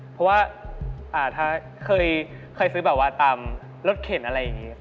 เพราะว่าถ้าเคยซื้อแบบว่าตามรถเข็นอะไรอย่างนี้